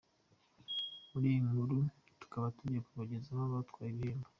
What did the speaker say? Muri iyi nkuru tukaba tugiye kubagezaho abatwaye ibihembo.